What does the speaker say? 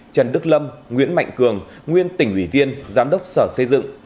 trần đức lâm nguyễn mạnh cường nguyên tỉnh ủy viên giám đốc sở xây dựng